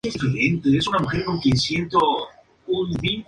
En la actualidad es un monasterio franciscano.